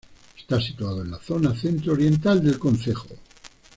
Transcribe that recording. Está situada en la zona centro oriental del concejo.